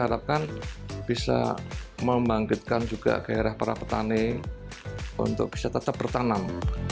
harapkan bisa membangkitkan juga gairah para petani untuk bisa tetap bertanam